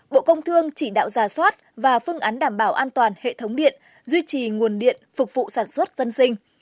bộ công thương chỉ đạo giả soát và phương án đảm bảo an toàn hệ thống điện duy trì nguồn điện phục vụ sản xuất dân sinh